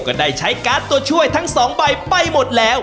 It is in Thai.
ก็ได้ใช้การ์ดตัวช่วยทั้งสองใบไปหมดแล้ว